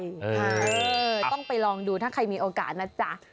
เออต้องไปลองดูถ้าใครมีโอกาสนะจ๊ะ